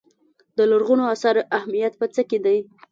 د لرغونو اثارو اهمیت په څه کې دی.